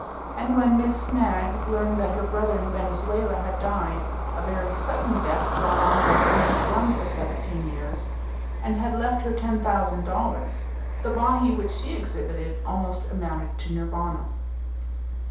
And when Miss Snagg learned that her brother in Venezuela had died a very sudden death brought on by drinking rum for seventeen years and had left her ten thousand dollars, the Bahee which she exhibited almost amounted to Nirvana.